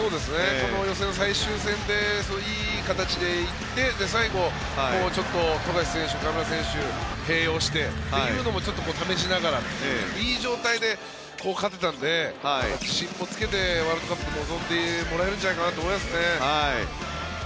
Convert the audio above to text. この予選の最終戦でいい形で行って最後、ちょっと富樫選手、河村選手を併用してというのもちょっと試しながらいい状態で勝てたので自信もつけてワールドカップに臨んでもらえるんじゃないかと思いますね。